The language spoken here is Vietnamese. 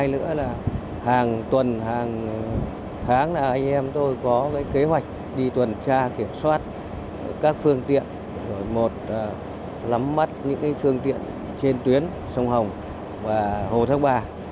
trước lần tuyên truyền hàng tuần hàng tháng anh em tôi có kế hoạch đi tuần tra kiểm soát các phương tiện lắm mắt những phương tiện trên tuyến sông hồng và hồ thác bà